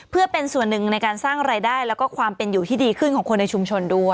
เพื่อเป็นส่วนหนึ่งในการสร้างรายได้แล้วก็ความเป็นอยู่ที่ดีขึ้นของคนในชุมชนด้วย